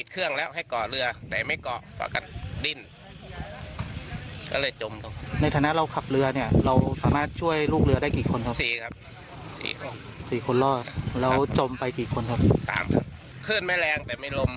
ขึ้นไม่แรงแต่ไม่ลม